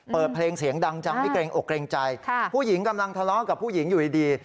เปิดเพลงเสียงดังจังไม่เกรงอกเกรงใจผู้หญิงกำลังทะเลาะกับผู้หญิงอยู่ดี